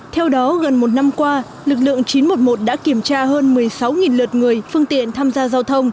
theo đó gần một năm qua lực lượng chín trăm một mươi một đã kiểm tra hơn một mươi sáu lượt người phương tiện tham gia giao thông